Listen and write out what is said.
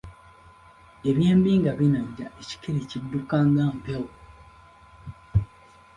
Eby'embi nga binajja ekikere kidduka nga mpewo!